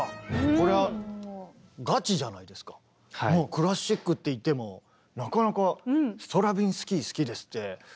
クラシックっていってもなかなかストラヴィンスキー好きですって。